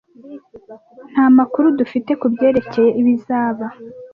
Nta makuru dufite kubyerekeye ibizaba.